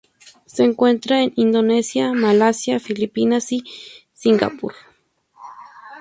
Se encuentra en Indonesia, Malasia, Filipinas y Singapur.